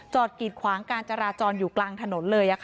กีดขวางการจราจรอยู่กลางถนนเลย